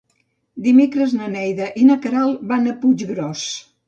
Dimecres na Neida i na Queralt van a Puiggròs.